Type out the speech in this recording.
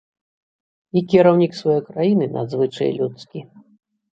І кіраўнік сваёй краіны надзвычай людскі.